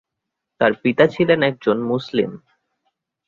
তার পিতা ছিলেন একজন মুসলিম।